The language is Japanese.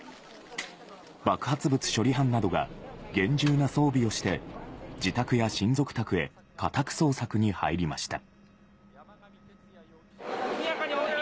爆発物処理班などが、厳重な装備をして、自宅や親族宅へ家宅捜索に入りました。